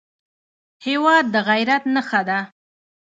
هېواد د غیرت نښه ده.